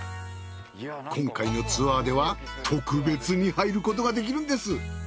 今回のツアーでは特別に入ることができるんです。